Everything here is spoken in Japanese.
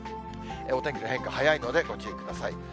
お天気の変化速いので、ご注意ください。